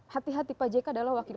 hati hati pak jk adalah wakil